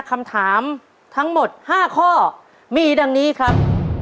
คำถามทั้งหมด๕ข้อมีดังนี้ครับ